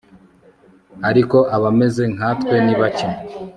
ariko abameze nkatwe ni bake